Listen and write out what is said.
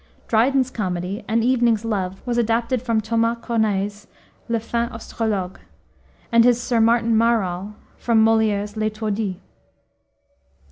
Dryden's comedy, An Evening's Love, was adapted from Thomas Corneille's Le Feint Astrologue, and his Sir Martin Mar all, from Molière's L' Etourdi.